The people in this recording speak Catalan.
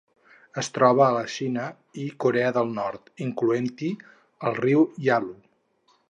Es troba a la Xina i Corea del Nord, incloent-hi el riu Yalu.